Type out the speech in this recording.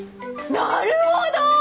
なるほど！